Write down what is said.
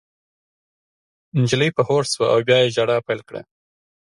نجلۍ په هوښ شوه او بیا یې ژړا پیل کړه